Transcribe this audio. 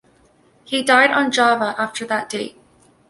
He died on Java after that date.